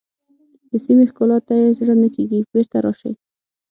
د سیمې ښکلا ته یې زړه نه کېږي بېرته راشئ.